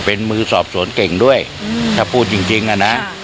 เป็นมือสอบสวนเก่งด้วยถ้าพูดจริงจริงอ่ะนะ